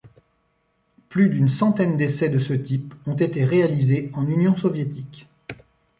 Plus d'une centaine d'essais de ce type ont été réalisés en Union soviétique.